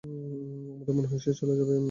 আমার মনে হয় সে চলে যাবে।